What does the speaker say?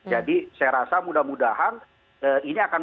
jadi saya rasa mudah mudahan ini akan berjalan